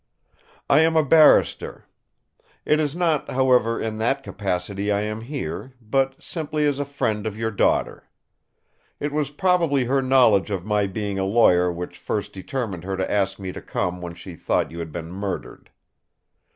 "I am a Barrister. It is not, however, in that capacity I am here; but simply as a friend of your daughter. It was probably her knowledge of my being a lawyer which first determined her to ask me to come when she thought you had been murdered.